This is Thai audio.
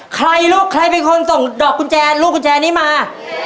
ใครลูกใครเป็นคนส่งดอกกุญแจลูกกุญแจนี้มา